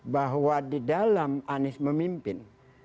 bahwa di dalam anies memimpin